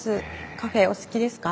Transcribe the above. カフェお好きですか？